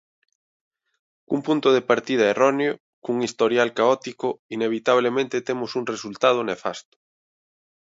Cun punto de partida erróneo, cun historial caótico, inevitablemente temos un resultado nefasto.